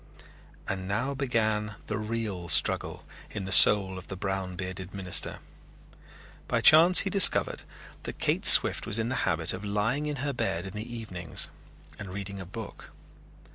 And now began the real struggle in the soul of the brown bearded minister. By chance he discovered that Kate Swift was in the habit of lying in her bed in the evenings and reading a book.